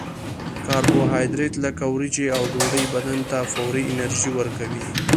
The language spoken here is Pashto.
کاربوهایدریت لکه وریجې او ډوډۍ بدن ته فوري انرژي ورکوي